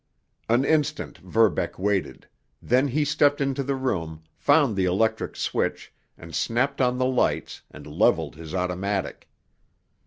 An instant Verbeck waited; then he stepped into the room, found the electric switch, and snapped on the lights, and leveled his automatic.